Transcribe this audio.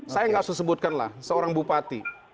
saya nggak usah sebutkan lah seorang bupati